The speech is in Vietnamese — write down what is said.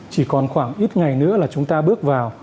chỉ còn khoảng ít ngày nữa là chúng ta bước vào